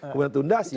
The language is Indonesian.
kemudian tunda siapin